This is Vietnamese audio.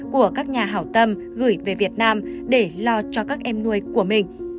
của các nhà hảo tâm gửi về việt nam để lo cho các em nuôi của mình